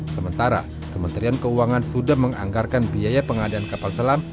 sementara kementerian keuangan sudah menganggarkan biaya pengadaan kapal selam